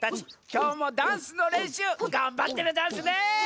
きょうもダンスのれんしゅうがんばってるざんすね！